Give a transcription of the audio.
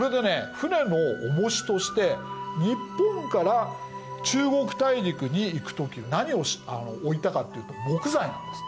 船の重しとして日本から中国大陸に行く時何を置いたかっていうと木材なんです。